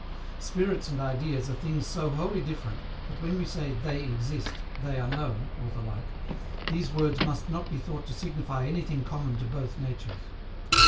Spirits and ideas are things so wholly different, that when we say "they exist," "they are known," or the like, these words must not be thought to signify anything common to both natures.